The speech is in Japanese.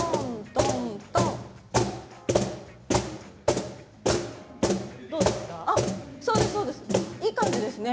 どうですか？